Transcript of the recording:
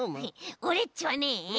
オレっちはね